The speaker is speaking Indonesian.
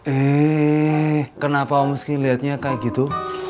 eh kenapa om meski liatnya kayak gitu